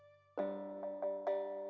ya udah saya pakai baju dulu